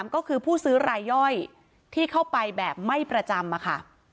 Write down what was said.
ก็คือผู้ซื้อรายย่อยที่เข้าไปแบบไม่ประจำค่ะ